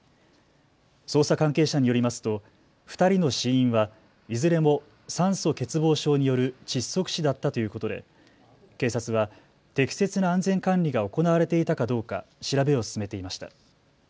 捜査関係者によりますと２人の死因はいずれも酸素欠乏症による窒息死だったということで警察は適切な安全管理が行われていたかどうか調べを進めていました。